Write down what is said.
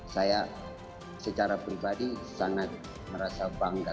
saya secara pribadi sangat merasa bangga